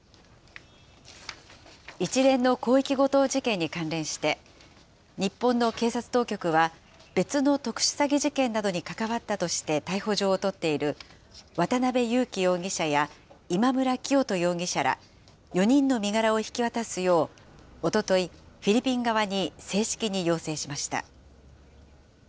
一連の広域強盗事件に関連して、日本の警察当局は、別の特殊詐欺事件などに関わったとして逮捕状を取っている渡邉優樹容疑者や、今村磨人容疑者ら、４人の身柄を引き渡すよう、おととい、フィリピン側に正式に要請しました。